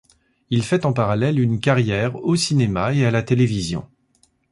Il fait en parallèle une carrière au cinéma et à la télévision.